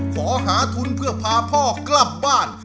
ขอหาทุนเพื่อพาพ่อกลับบ้าน